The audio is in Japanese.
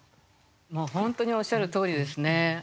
もう本当におっしゃるとおりですね。